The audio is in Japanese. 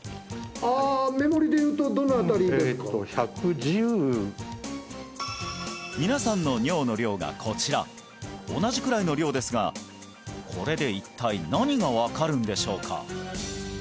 あ目盛りで言うとどの辺りでえっと皆さんの尿の量がこちら同じくらいの量ですがこれで一体何が分かるんでしょうか？